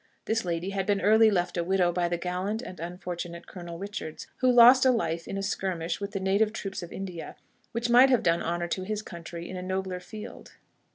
This lady had been early left a widow by the gallant and unfortunate Colonel Richards, who lost a life in a skirmish with the native troops of India which might have done honour to his country in a nobler field.